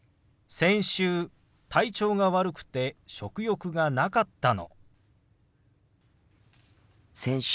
先週体調が悪くて食欲がなかったの。